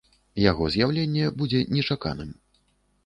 Яго з'яўленне будзе нечаканым.